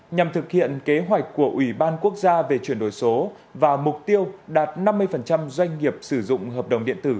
nhằm thực hiện kế hoạch của ủy ban quốc gia về chuyển đổi số và mục tiêu đạt năm mươi doanh nghiệp sử dụng hợp đồng điện tử